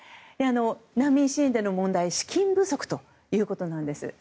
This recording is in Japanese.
難民支援での問題資金不足ということなんです。